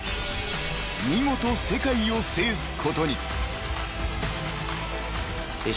［見事世界を制すことに］